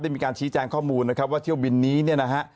มีการชี้แจงข้อมูลนะครับว่าเที่ยวบินนี้เนี่ยนะฮะ